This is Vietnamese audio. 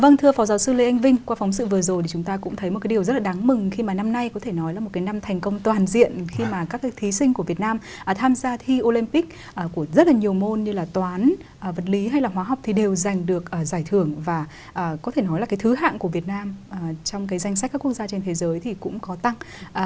vâng thưa phó giáo sư lê anh vinh qua phóng sự vừa rồi thì chúng ta cũng thấy một cái điều rất là đáng mừng khi mà năm nay có thể nói là một cái năm thành công toàn diện khi mà các cái thí sinh của việt nam tham gia thi olympic của rất là nhiều môn như là toán vật lý hay là hóa học thì đều giành được giải thưởng và có thể nói là cái thứ hạng của việt nam trong cái danh sách các quốc gia trên thế giới thì cũng có tăng